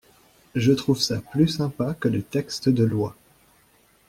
Je trouve ça plus sympa que les textes de lois.